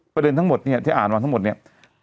ประเด็นทั้งหมดเนี่ยที่อ่านมาทั้งหมดเนี่ย